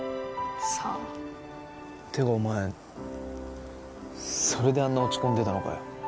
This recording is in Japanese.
さあてかお前それであんな落ち込んでたのかよ